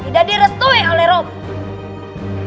tidak direstui oleh romo